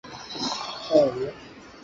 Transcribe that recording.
তুমি আরও ভাল কিছু পাওয়া উচিত।